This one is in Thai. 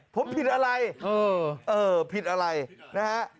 ผมผิดอะไรเออผิดอะไรนะฮะ